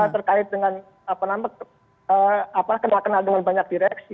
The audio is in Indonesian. terkait dengan kenal kenal dengan banyak direksi